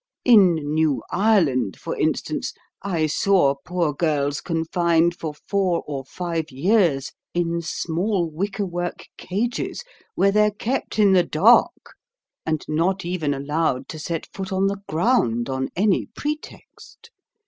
In New Ireland, for instance, I saw poor girls confined for four or five years in small wickerwork cages, where they're kept in the dark, and not even allowed to set foot on the ground on any pretext.